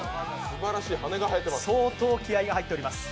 相当気合いが入っております。